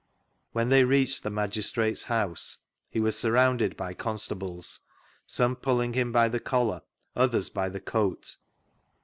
When they reached the Magistrates' house he was surrounded by con stables, some pulling him by the c<^ar, others by the coat.